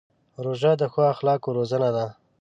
روژه د ښو اخلاقو روزنه ده.